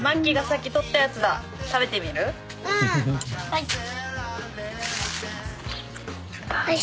はい。